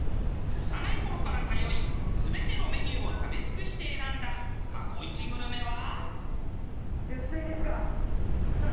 幼い頃から通い全てのメニューを食べ尽くして選んだ過去イチグルメは。